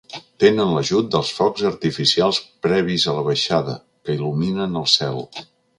Tenen l’ajut dels focs artificials previs a la baixada, que il·luminen el cel.